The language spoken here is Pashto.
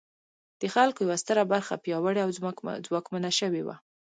د خلکو یوه ستره برخه پیاوړې او ځواکمنه شوې وه.